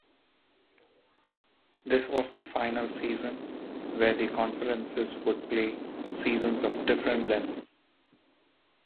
This was the final season where the conferences would play seasons of different lengths.